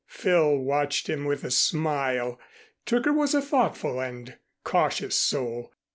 Phil watched him with a smile. Tooker was a thoughtful and cautious soul.